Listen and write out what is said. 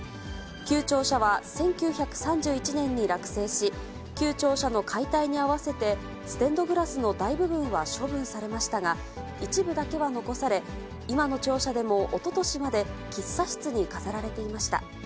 旧庁舎は１９３１年に落成し、旧庁舎の解体に合わせて、ステンドグラスの大部分は処分されましたが、一部だけは残され、今の庁舎でもおととしまで、喫茶室に飾られていました。